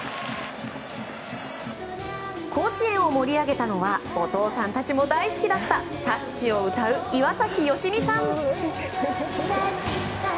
甲子園を盛り上げたのはお父さんたちも大好きだった「タッチ」を歌う岩崎良美さん。